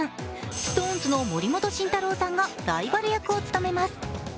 ＳｉｘＴＯＮＥＳの森本慎太郎さんがライバル役を務めます。